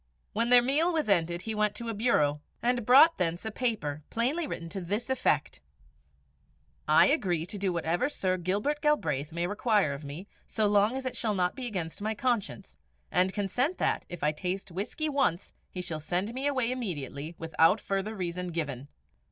When their meal was ended, he went to a bureau, and brought thence a paper, plainly written to this effect: "I agree to do whatever Sir Gilbert Galbraith may require of me, so long as it shall not be against my conscience; and consent that, if I taste whisky once, he shall send me away immediately, without further reason given."